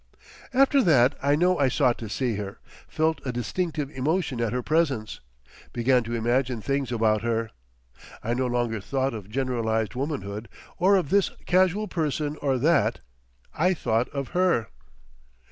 After that I know I sought to see her, felt a distinctive emotion at her presence, began to imagine things about her. I no longer thought of generalised womanhood or of this casual person or that. I thought of her.